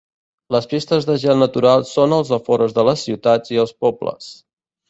Les pistes de gel natural són als afores de les ciutats i els pobles.